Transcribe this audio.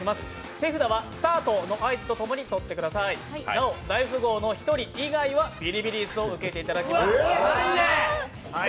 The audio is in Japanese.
手札はスタートの合図とともに取ってくださいなお大富豪の１人意外はビリビリ椅子を受けていただきます。